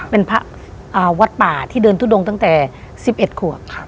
เป็นพระวัดป่าที่เดินทุดงตั้งแต่๑๑ขวบ